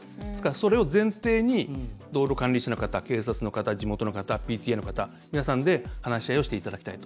それを前提に、道路管理士の方警察の方、地元の方ＰＴＡの方、皆さんで話し合いをしていただきたいと。